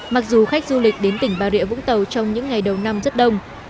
mặc dù khách du lịch đến tỉnh bà rịa vũng tàu trong những ngày đầu năm rất đông